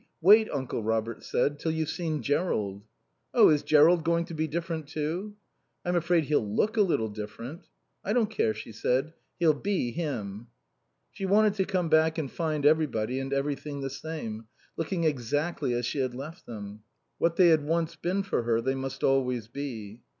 Wait," Uncle Robert said, "till you've seen Jerrold." "Oh, is Jerrold going to be different, too?" "I'm afraid he'll look a little different." "I don't care," she said. "He'll be him." She wanted to come back and find everybody and everything the same, looking exactly as she had left them. What they had once been for her they must always be.